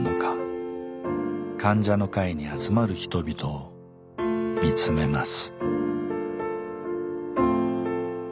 患者の会に集まる人々を見つめます。